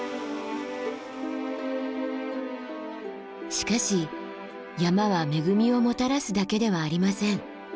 しかし山は恵みをもたらすだけではありません。